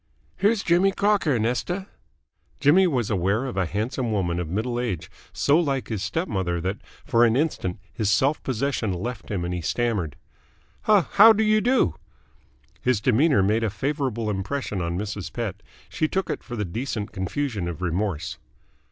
"Here's Jimmy Crocker, Nesta." Jimmy was aware of a handsome woman of middle age, so like his step mother that for an instant his self possession left him and he stammered. "How how do you do?" His demeanour made a favourable impression on Mrs. Pett. She took it for the decent confusion of remorse.